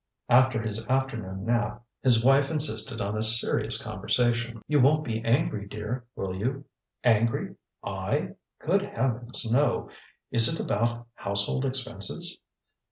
ŌĆØ After his afternoon nap, his wife insisted on a serious conversation. ŌĆ£You wonŌĆÖt be angry, dear, will you? ŌĆØ ŌĆ£Angry? I! Good heavens, no! Is it about household expenses?